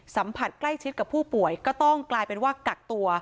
สัมผัสใกล้ชิดกับผู้ป่วยก็ต้องกลายเป็นว่ากักตัว